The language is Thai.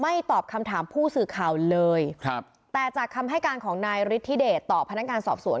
ตอบคำถามผู้สื่อข่าวเลยครับแต่จากคำให้การของนายฤทธิเดชต่อพนักงานสอบสวน